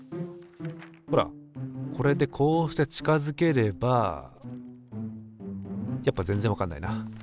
ほらこれでこうして近づければやっぱ全然わかんないな。